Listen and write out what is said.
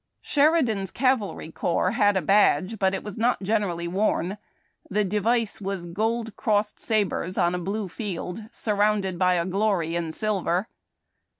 Sheridan's Cavalry Corps had a badge, but it was not generally worn. The device was " Gold crossed sabres on a blue field, surrounded by a glory in silver."